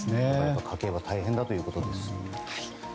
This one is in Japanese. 家計は大変だということです。